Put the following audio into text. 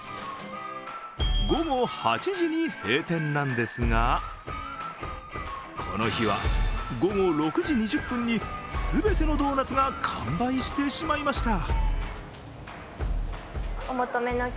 午後８時に閉店なんですがこの日は午後６時２０分に全てのドーナツが完売してしまいました。